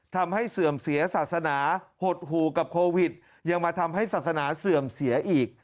เสื่อมเสียศาสนาหดหู่กับโควิดยังมาทำให้ศาสนาเสื่อมเสียอีก